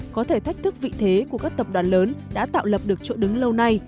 có thể thách thức vị thế của các tập đoàn lớn đã tạo lập được chỗ đứng lâu nay